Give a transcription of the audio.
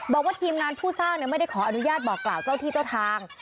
บอกว่าทีมงานผู้สร้างไม่ได้ขออนุญาตบอกกล่าวเจ้าที่เจ้าทาง